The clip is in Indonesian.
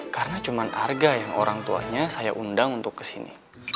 karena cuma arga yang orang tuanya saya undang untuk ke sini